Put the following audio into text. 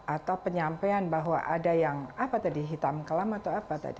atau penyampaian bahwa ada yang apa tadi hitam kelam atau apa tadi